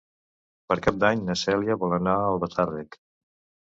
Per Cap d'Any na Cèlia vol anar a Albatàrrec.